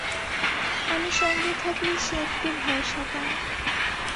আমি সঙ্গে থাকলে সে একটু ভরসা পায়।